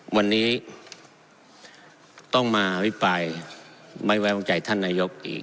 วันนี้ต้องมาอภิปรายไม่ไว้วางใจท่านนายกอีก